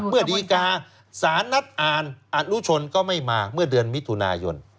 เมื่อดีกาสารนัดอ่านอนุชนก็ไม่มาเมื่อเดือนมิถุนายน